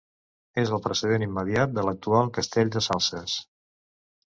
És el precedent immediat de l'actual Castell de Salses.